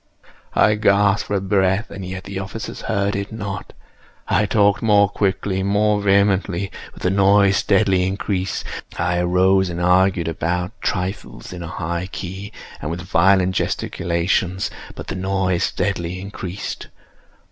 I gasped for breath—and yet the officers heard it not. I talked more quickly—more vehemently; but the noise steadily increased. I arose and argued about trifles, in a high key and with violent gesticulations; but the noise steadily increased.